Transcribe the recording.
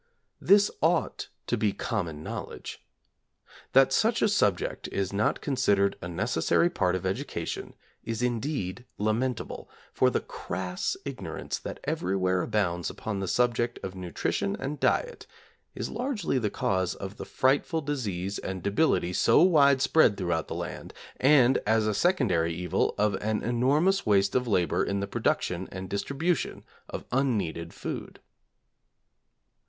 This ought to be common knowledge. That such a subject is not considered a necessary part of education is indeed lamentable, for the crass ignorance that everywhere abounds upon the subject of nutrition and diet is largely the cause of the frightful disease and debility so widespread throughout the land, and, as a secondary evil of an enormous waste of labour in the production and distribution of unneeded food.